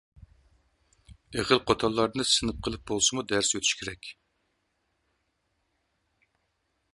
ئېغىل قوتانلارنى سىنىپ قىلىپ بولسىمۇ دەرس ئۆتۈش كېرەك.